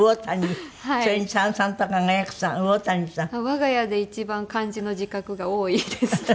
我が家で一番漢字の字画が多いですね